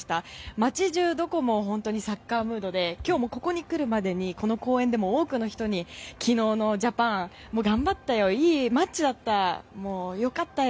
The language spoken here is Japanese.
街中、どこも本当にサッカームードで今日も、ここに来るまでにこの公園でも多くの人に昨日のジャパンは頑張ったよ、いいマッチだった良かったよ